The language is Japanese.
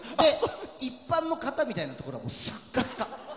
一般の方みたいなところはすっかすか。